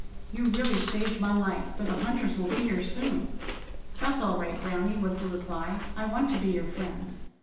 You really saved my life, for the Hunters will soon be here." "That's all right, Browny," was the reply. "I want to be your friend."